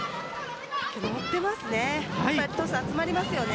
乗ってますね。